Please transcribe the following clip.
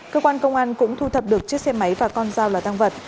cơ quan công an cũng thu thập được chiếc xe máy và con dao là tăng vật